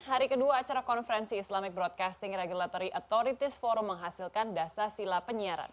hari kedua acara konferensi islamic broadcasting regulatory authorities forum menghasilkan dasar sila penyiaran